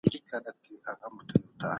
صدقه د مال برکت زیاتوي او زړه نرموي.